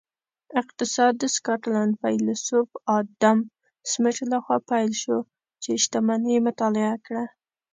اقتصاد د سکاټلینډ فیلسوف ادم سمیت لخوا پیل شو چې شتمني یې مطالعه کړه